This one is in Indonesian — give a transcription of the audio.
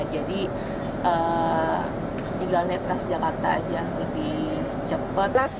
jadi tinggal naik transjakarta aja lebih cepat